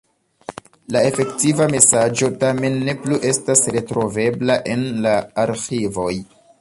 La efektiva mesaĝo tamen ne plu estas retrovebla en la arĥivoj.